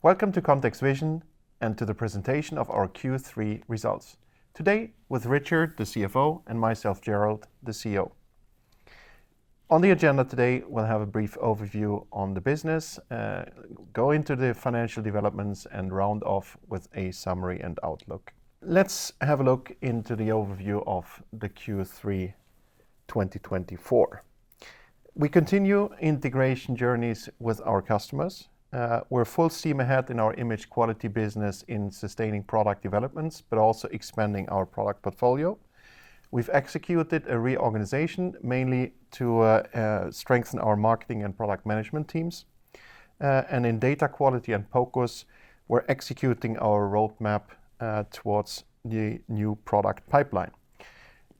Welcome to ContextVision and to the presentation of our Q3 results. Today, with Richard, the CFO, and myself, Gerald, the CEO. On the agenda today, we'll have a brief overview on the business, go into the financial developments, and round off with a summary and outlook. Let's have a look into the overview of the Q3 2024. We continue integration journeys with our customers. We're full steam ahead in our image quality business in sustaining product developments, but also expanding our product portfolio. We've executed a reorganization mainly to strengthen our marketing and product management teams. And in Data Quality and Focus, we're executing our roadmap towards the new product pipeline.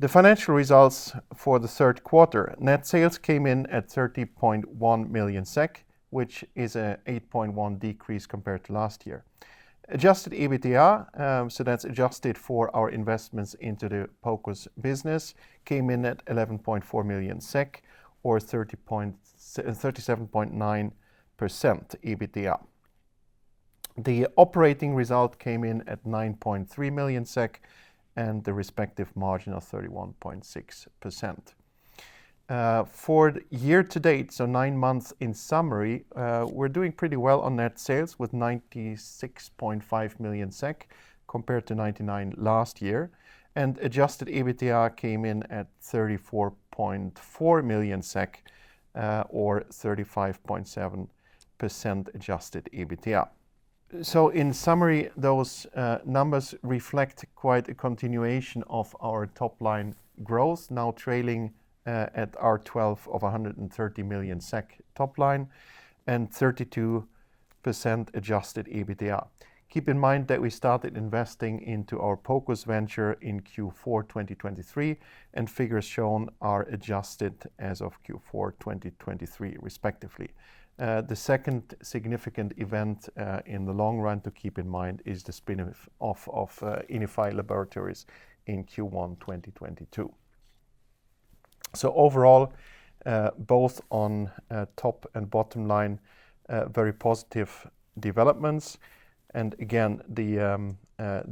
The financial results for the third quarter, net sales came in at 30.1 million SEK, which is an 8.1% decrease compared to last year. Adjusted EBITDA, so that's adjusted for our investments into the Focus business, came in at 11.4 million SEK, or 37.9% EBITDA. The operating result came in at 9.3 million SEK and the respective margin of 31.6%. For year to date, so nine months in summary, we're doing pretty well on net sales with 96.5 million SEK compared to 99 last year. Adjusted EBITDA came in at 34.4 million SEK, or 35.7% adjusted EBITDA. In summary, those numbers reflect quite a continuation of our top-line growth, now trailing at our target of 130 million SEK top line and 32% Adjusted EBITDA. Keep in mind that we started investing into our Focus venture in Q4 2023, and figures shown are adjusted as of Q4 2023, respectively. The second significant event in the long run to keep in mind is the spin-off of Inify Laboratories in Q1 2022. So overall, both on top and bottom line, very positive developments. And again, the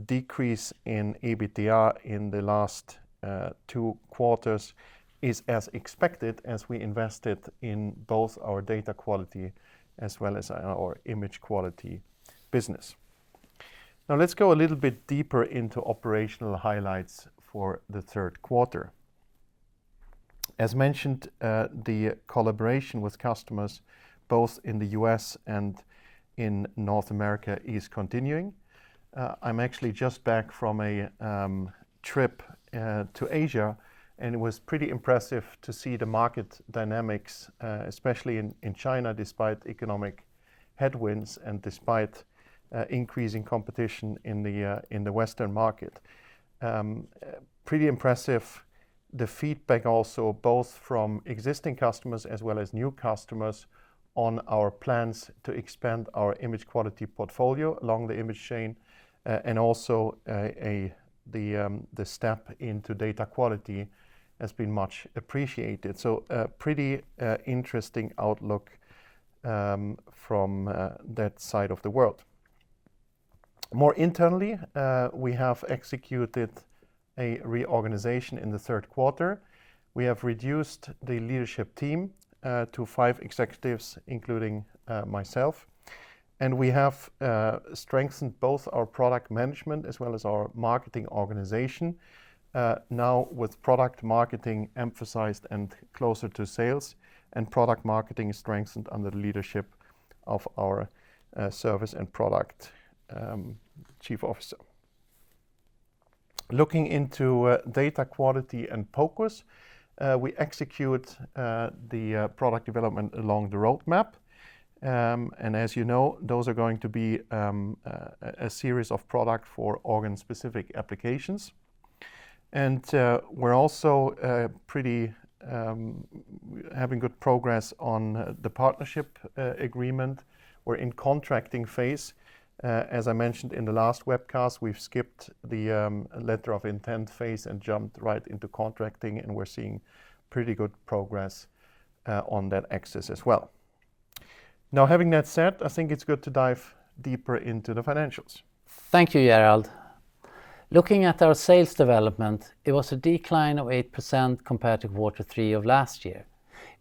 decrease in EBITDA in the last two quarters is as expected as we invested in both our Data Quality as well as our Image Quality business. Now let's go a little bit deeper into operational highlights for the third quarter. As mentioned, the collaboration with customers both in the U.S. and in North America is continuing. I'm actually just back from a trip to Asia, and it was pretty impressive to see the market dynamics, especially in China despite economic headwinds and despite increasing competition in the Western market. Pretty impressive the feedback also both from existing customers as well as new customers on our plans to expand our Image Quality portfolio along the image chain. And also the step into Data Quality has been much appreciated. So a pretty interesting outlook from that side of the world. More internally, we have executed a reorganization in the third quarter. We have reduced the leadership team to five executives, including myself, and we have strengthened both our product management as well as our marketing organization, now with product marketing emphasized and closer to sales, and product marketing strengthened under the leadership of our Service and Product, Chief Officer. Looking into Data Quality and Focus, we execute the product development along the roadmap. As you know, those are going to be a series of products for organ-specific applications, and we're also having pretty good progress on the partnership agreement. We're in contracting phase. As I mentioned in the last webcast, we've skipped the letter of intent phase and jumped right into contracting, and we're seeing pretty good progress on that aspect as well. Now, having that said, I think it's good to dive deeper into the financials. Thank you, Gerald. Looking at our sales development, it was a decline of 8% compared to quarter three of last year.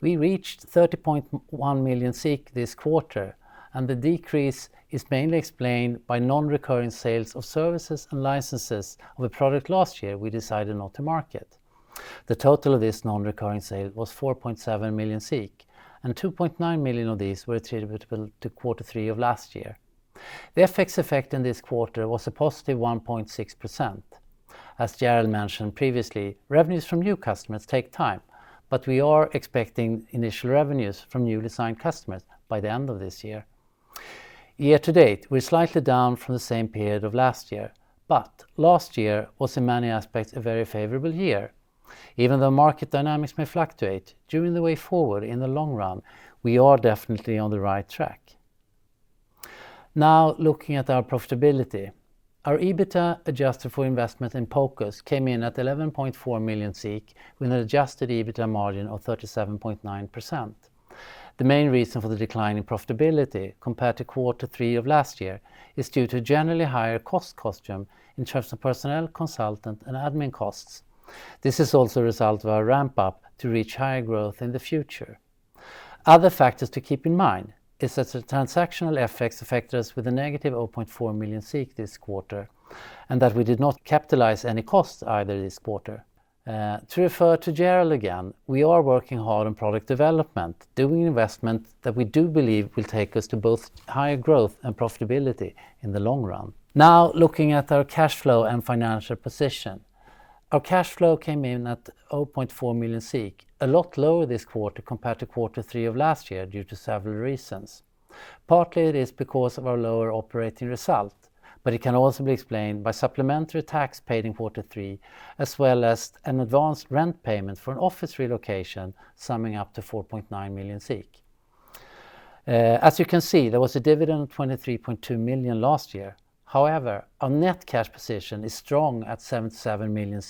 We reached 30.1 million this quarter, and the decrease is mainly explained by non-recurring sales of services and licenses of a product last year we decided not to market. The total of this non-recurring sale was 4.7 million, and 2.9 million of these were attributable to quarter three of last year. The FX effect in this quarter was a positive 1.6%. As Gerald mentioned previously, revenues from new customers take time, but we are expecting initial revenues from newly signed customers by the end of this year. Year to date, we're slightly down from the same period of last year, but last year was in many aspects a very favorable year. Even though market dynamics may fluctuate during the way forward in the long run, we are definitely on the right track. Now, looking at our profitability, our EBITDA adjusted for investment and Focus came in at 11.4 million with an Adjusted EBITDA margin of 37.9%. The main reason for the decline in profitability compared to quarter three of last year is due to generally higher cost structure in terms of personnel, consultant, and admin costs. This is also a result of our ramp-up to reach higher growth in the future. Other factors to keep in mind is that the transactional FX affected us with a negative 0.4 million this quarter and that we did not capitalize any costs either this quarter. To refer to Gerald again, we are working hard on product development, doing investment that we do believe will take us to both higher growth and profitability in the long run. Now, looking at our cash flow and financial position, our cash flow came in at 0.4 million, a lot lower this quarter compared to quarter three of last year due to several reasons. Partly, it is because of our lower operating result, but it can also be explained by supplementary tax paid in quarter three, as well as an advanced rent payment for an office relocation summing up to 4.9 million. As you can see, there was a dividend of 23.2 million last year. However, our net cash position is strong at 77 million,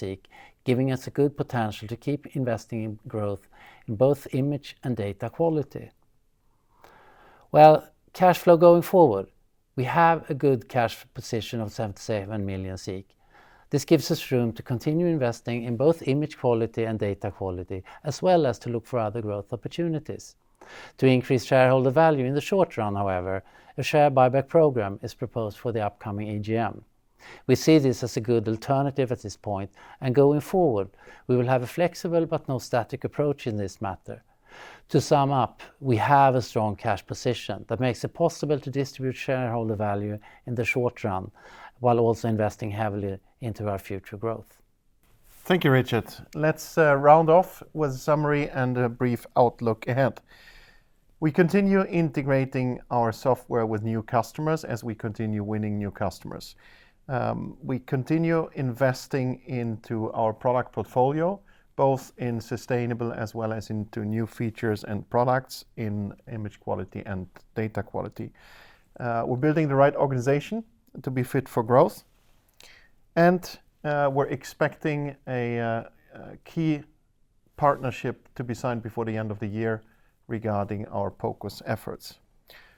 giving us a good potential to keep investing in growth in both Image and Data Quality. Cash flow going forward, we have a good cash position of 77 million. This gives us room to continue investing in both Image Quality and Data Quality, as well as to look for other growth opportunities. To increase shareholder value in the short run, however, a share buyback program is proposed for the upcoming AGM. We see this as a good alternative at this point, and going forward, we will have a flexible but not static approach in this matter. To sum up, we have a strong cash position that makes it possible to distribute shareholder value in the short run while also investing heavily into our future growth. Thank you, Richard. Let's round off with a summary and a brief outlook ahead. We continue integrating our software with new customers as we continue winning new customers. We continue investing into our product portfolio, both in sustainable as well as into new features and products in image quality and Data Quality. We're building the right organization to be fit for growth, and we're expecting a key partnership to be signed before the end of the year regarding our Focus efforts.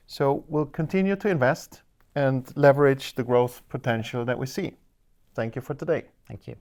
So we'll continue to invest and leverage the growth potential that we see. Thank you for today. Thank you.